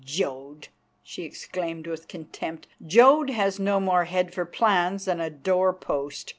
"Jodd!" she exclaimed with contempt. "Jodd has no more head for plans than a doorpost!